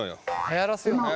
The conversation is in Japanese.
「はやらせよう」な。